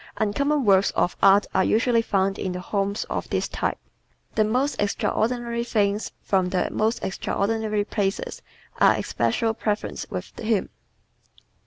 Uncommon works of art are usually found in the homes of this type. The most extraordinary things from the most extraordinary places are especial preferences with him.